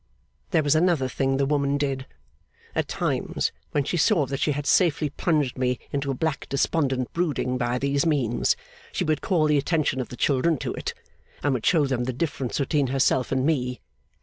There was another thing the woman did. At times, when she saw that she had safely plunged me into a black despondent brooding by these means, she would call the attention of the children to it, and would show them the difference between herself and me.